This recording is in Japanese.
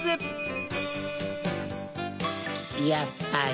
やっぱり。